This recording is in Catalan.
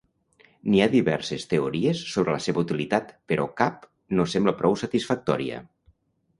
Hi ha diverses teories sobre la seva utilitat, però cap no sembla prou satisfactòria.